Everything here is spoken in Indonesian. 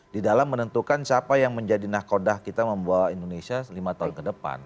di dalam menentukan siapa yang menjadi nakodah kita membawa indonesia lima tahun ke depan